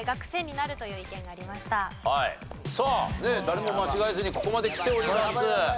さあ誰も間違えずにここまで来ております。